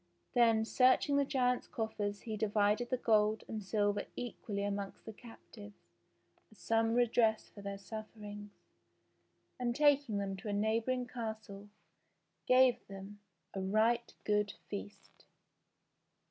Then, searching the giants' coffers he divided the gold and silver equally amongst the captives as some redress for their sufferings, and taking them to a neighbouring castle gave them a right good feast.